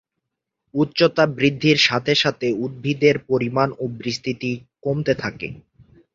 উচ্চতা বৃদ্ধির সাথে সাথে উদ্ভিদের পরিমাণ ও বিস্তৃতি কমতে থাকে।